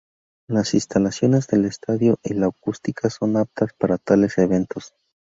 Las instalaciones del estadio y la acústica son aptas para tales eventos.